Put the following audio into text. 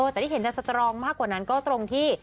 แต่ที่เห็นจะสตรองมากกว่านั้นก็ตรงที่